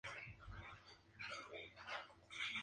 Records, además de Reprise Records.